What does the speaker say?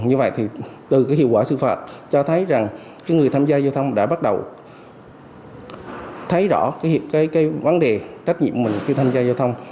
như vậy thì từ hiệu quả sư phạm cho thấy rằng người tham gia giao thông đã bắt đầu thấy rõ vấn đề trách nhiệm của mình khi tham gia giao thông